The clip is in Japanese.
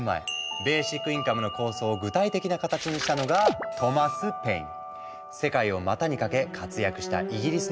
ベーシックインカムの構想を具体的な形にしたのが世界を股にかけ活躍したイギリスの思想家だ。